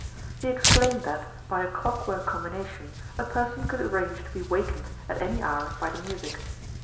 He explained that, by a clock work combination, a person could arrange to be awakened at any hour by the music.